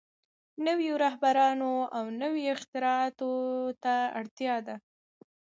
نويو رهبرانو او نويو اختراعاتو ته اړتيا ده.